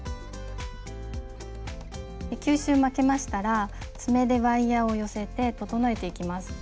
９周巻きましたら爪でワイヤーを寄せて整えていきます。